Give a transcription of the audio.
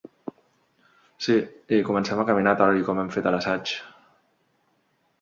Sí, i comencem a caminar, tal i com hem fet a l'assaig.